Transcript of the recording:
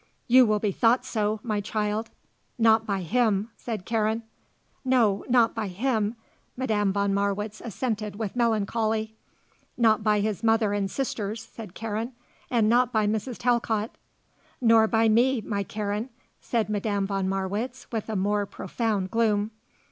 "You will be thought so, my child." "Not by him," said Karen. "No; not by him," Madame von Marwitz assented with melancholy. "Not by his mother and sisters," said Karen. "And not by Mrs. Talcott." "Nor by me, my Karen," said Madame von Marwitz with a more profound gloom.